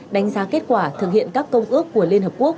đánh giá kết quả thực hiện các công ước của liên hợp quốc